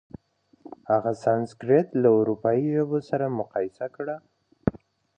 هغه سانسکریت له اروپايي ژبو سره مقایسه کړه.